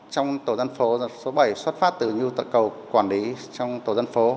trong tổ dân phố số bảy xuất phát từ nhu cầu quản lý trong tổ dân phố